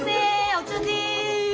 お茶です。